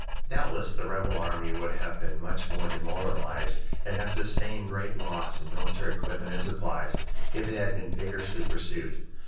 Doubtless the rebel army would have been much more demoralized and have sustained great loss in military equipment and supplies, if it had been vigorously pursued.